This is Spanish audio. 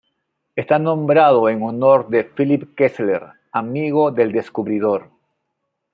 Está nombrado en honor de Philipp Kessler, amigo del descubridor.